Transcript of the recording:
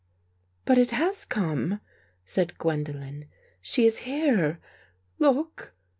" But it has come," said Gwendolen. " She is here. Look!"